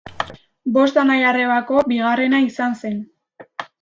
Bost anai-arrebako bigarrena izan zen.